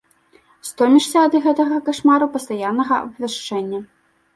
Стомішся ад гэтага кашмару пастаяннага абвяшчэння.